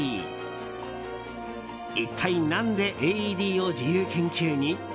一体何でＡＥＤを自由研究に？